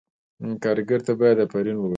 کارګر ته باید آفرین ووایو.